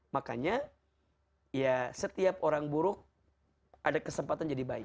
makanya ya setiap orang buruk ada kesempatan jadi baik